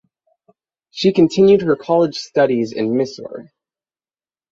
She continued her college studies in Mysore.